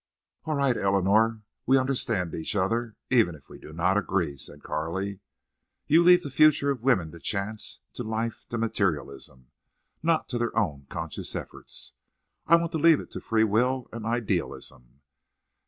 "All right, Eleanor, we understand each other, even if we do not agree," said Carley. "You leave the future of women to chance, to life, to materialism, not to their own conscious efforts. I want to leave it to free will and idealism."